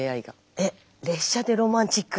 列車でロマンチック？